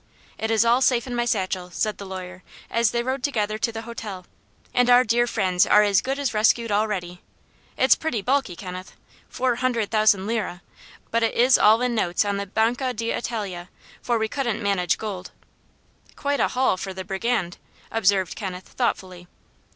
"It is all safe in my satchel," said the lawyer, as they rode together to the hotel; "and our dear friends are as good as rescued already. It's pretty bulky, Kenneth four hundred thousand lira but it is all in notes on the Banca d'Italia, for we couldn't manage gold." "Quite a haul for the brigand," observed Kenneth, thoughtfully.